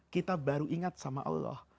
kita baru ingat sama allah